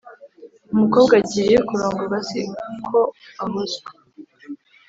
umukobwa agiye kurongorwa si ko ahozwa